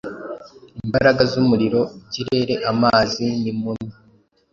Imbaraga zumuriro, ikirere, amazi, nii muni,